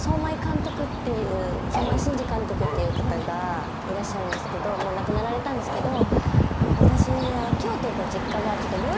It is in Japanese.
相米慎二監督っていう方がいらっしゃるんですけどもう亡くなられたんですけど私は。